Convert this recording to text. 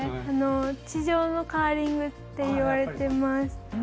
地上のカーリングといわれてます。